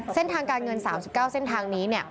เส้นทางการเงิน๓๙เส้นทางนี้